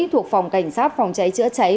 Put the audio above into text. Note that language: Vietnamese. thuộc phòng cảnh sát phòng cháy chữa cháy